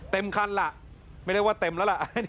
เต็มคันล่ะไม่ได้ว่าเต็มแล้วล่ะ